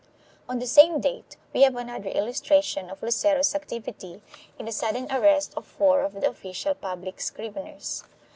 On the same date we have another illustration of Lucero's activity in the sudden arrest of four of the official public scriveners.